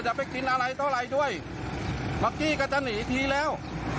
ไปกินอะไรเท่าไรด้วยเมื่อกี้ก็จะหนีทีแล้ว